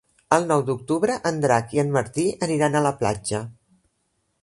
El nou d'octubre en Drac i en Martí aniran a la platja.